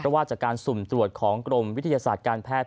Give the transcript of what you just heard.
เพราะว่าจากการสุ่มตรวจของกรมวิทยาศาสตร์การแพทย